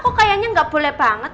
kok kayaknya nggak boleh banget